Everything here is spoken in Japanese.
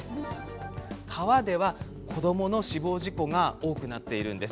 川では子どもの死亡事故が多くなっているんです。